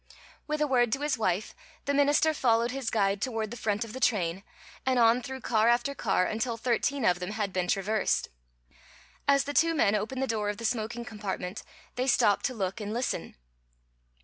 With a word to his wife, the minister followed his guide toward the front of the train, and on through car after car until thirteen of them had been traversed. As the two men opened the door of the smoking compartment, they stopped to look and listen.